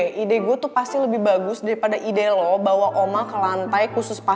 siapa tau bisa langsung ke kamarnya